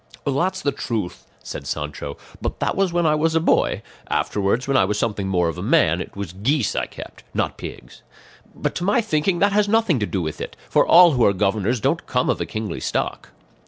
"That's the truth," said Sancho; "but that was when I was a boy; afterwards when I was something more of a man it was geese I kept, not pigs. But to my thinking that has nothing to do with it; for all who are governors don't come of a kingly stock."